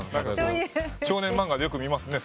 少年漫画でよく見ますね。